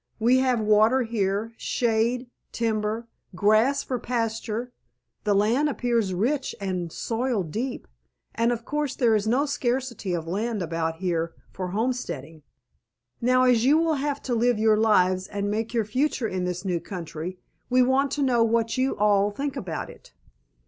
We have water here, shade, timber, grass for pasture, the land appears rich and the soil deep, and of course there is no scarcity of land about here for homesteading. Now, as you will have to live your lives and make your future in this new country, we want to know what you all think about it."